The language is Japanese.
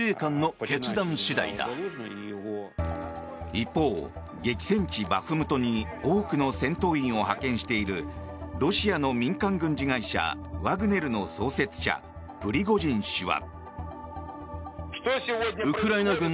一方、激戦地バフムトに多くの戦闘員を派遣しているロシアの民間軍事会社ワグネルの創設者、プリゴジン氏は。